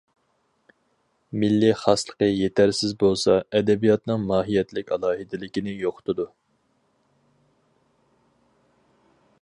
مىللىي خاسلىقى يېتەرسىز بولسا ئەدەبىياتنىڭ ماھىيەتلىك ئالاھىدىلىكىنى يوقىتىدۇ.